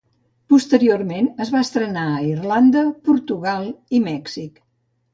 Posteriorment es va estrenar a Irlanda, Portugal i Mèxic.